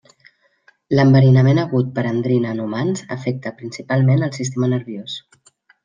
L'enverinament agut per endrina en humans afecta principalment el sistema nerviós.